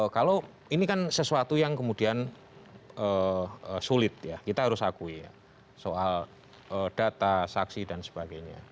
kalau ini kan sesuatu yang kemudian sulit ya kita harus akui ya soal data saksi dan sebagainya